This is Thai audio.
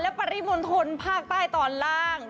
และปริมนตรพาคใต้ตอนล่าง